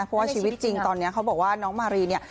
เพราะว่าชีวิตจริงตอนนี้เขาบอกว่าน้องมารีเนี่ย